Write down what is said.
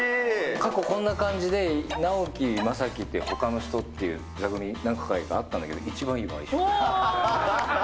過去、こんな感じで、直樹、将暉ってほかの人っていうの、何回かあったんだけど、一番いいおー。